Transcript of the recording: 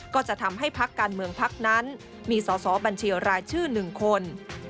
ก็จะทำให้พักการเมืองพักนั้นมีสอสอบัญชีรายชื่อ๑คน